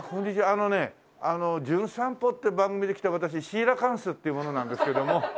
あのね『じゅん散歩』って番組で来た私シーラカンスっていう者なんですけども。